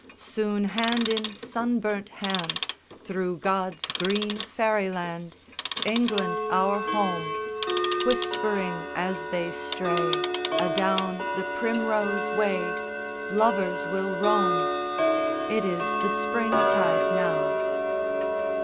_ III _Soon hand in sunburnt hand Thro' God's green fairyland, England, our home, Whispering as they stray Adown the primrose way, Lovers will roam. It is the Spring tide now.